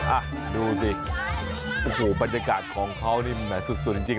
อ่ะดูสิโอ้โหบรรยากาศของเขานี่แหมสุดจริง